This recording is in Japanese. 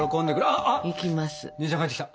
あっ姉ちゃん帰ってきた！